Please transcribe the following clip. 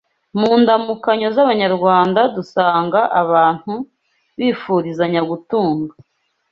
Mu ndamukanyo z’abanyarwanda dusanga abantu bifurizanya gutunga